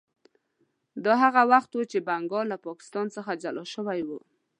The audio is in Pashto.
دا هغه وخت و چې بنګال له پاکستان څخه جلا شوی و.